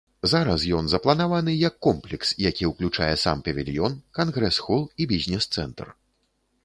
Зараз ён запланаваны як комплекс, які ўключае сам павільён, кангрэс-хол і бізнес-цэнтр.